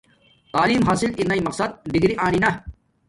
تعلیم حاصل ارناݵ مقصد ڈگری آنی نا